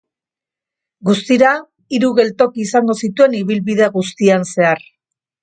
Guztira hiru geltoki izango zituen ibilbide guztian zehar.